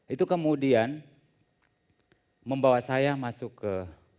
itu kemudian membawa saya masuk ke pesantren waktu tamat sd